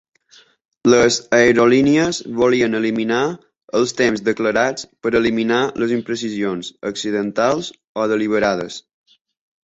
Les aerolínies volien eliminar els temps declarats per eliminar les imprecisions, accidentals o deliberades.